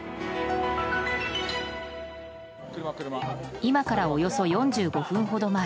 今からおよそ４５分ほど前。